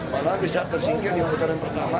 malah bisa tersingkir di putaran pertama